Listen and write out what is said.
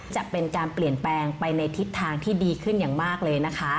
จะเป็นการเปลี่ยนแปลงไปในทิศทางที่ดีขึ้นอย่างมากเลยนะคะ